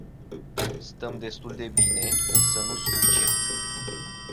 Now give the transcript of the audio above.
Stăm destul de bine, însă nu suficient.